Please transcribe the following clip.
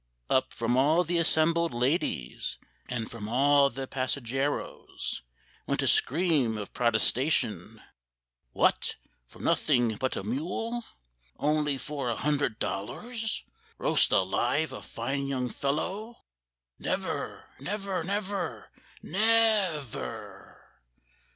Up from all the assembled ladies, And from all the passageros, Went a scream of protestation,— "What! for nothing but a mewel! Only for a hundred dollars Roast alive a fine young fellow! Never, never, never, ne—ver!"